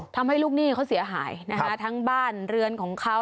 ทำให้ลูกหนี้เขาเสียหายนะคะทั้งบ้านเรือนของเขา